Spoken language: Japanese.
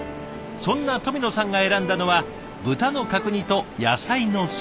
そんな富野さんが選んだのは豚の角煮と野菜のスープカレー。